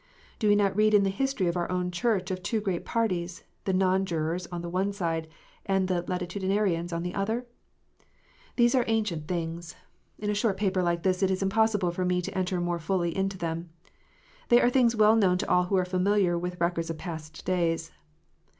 Do we not read in the history of our own Church of two great parties, the Non jurors on the one side, and the Latitudinarians on the other? These are ancient things. In a short paper like this it is impossible for me to enter more fully into them. They are things well known to all who are familiar with records of past days.